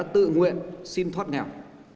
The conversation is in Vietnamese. tự nguyện xin thoát nghèo